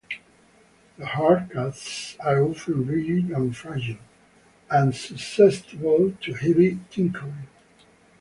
The hard casts are often rigid and fragile, and susceptible to heavy tinkering.